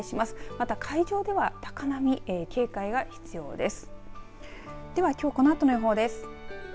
また海上では高波に警戒が必要です。